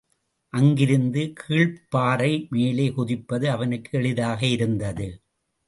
அங்கிருந்து கீழ்ப்பாறை மேலே குதிப்பது அவனுக்கு எளிதாக இருந்தது.